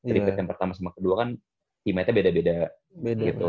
triplit yang pertama sama kedua kan teammate nya beda beda gitu